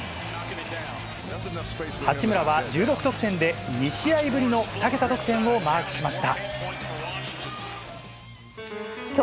八村は１６得点で２試合ぶりの２桁得点をマークしました。